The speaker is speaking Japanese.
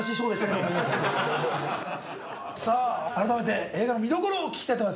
さぁ改めて映画の見どころをお聞きしたいと思います。